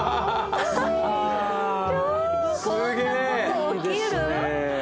すげえ。